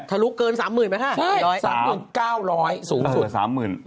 ทะลุเกิน๓๐๐๐๐บาทไหมครับ๑๐๐ใช่๓๐๙๐๐บาทสูงสุด